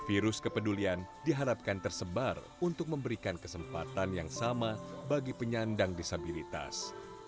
virus kepedulian diharapkan tersebar untuk memberikan kesempatan yang sama bagi penyandang disabilitas